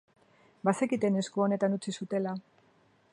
Bazekiten esku onetan uzten zutela.